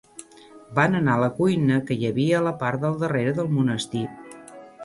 Van anar a la cuina que hi havia a la part del darrere del monestir.